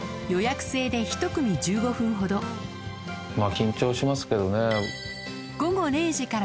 緊張しますけどね。